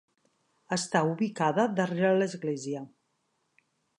Està ubicada darrere l'església.